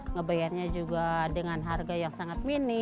ngebayarnya juga dengan harga yang sangat mini